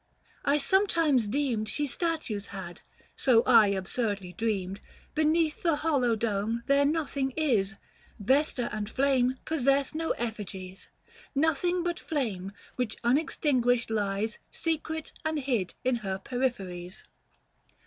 I sometimes deemed She statues had — so I absurdly dreamed ; 350 Beneath the hollow dome there nothing is — Vesta and flame possess no effigies — Nothing but flame, which unextinguished lies Secret and hid in her peripheries.